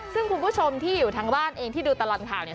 ซึ่งคุณผู้ชมที่อยู่ทางบ้านเองที่ดูตลอดข่าวเนี่ย